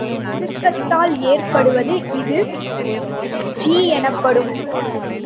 முடுக்கத்தால் ஏற்படுவது இது ஜி எனப்படும்.